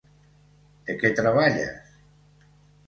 De què treballes?